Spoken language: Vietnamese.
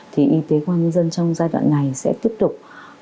thì y tế quang minh dân trong giai đoạn này sẽ tiếp tục